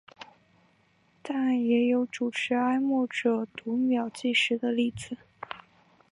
但也有主持默哀者读秒计时的例子。